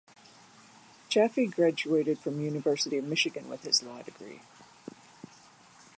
Chafee graduated from University of Michigan with his law degree.